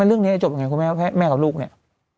แล้วเรื่องนี้จะจบอย่างไรครับคุณแม่แม่กับลูกนี่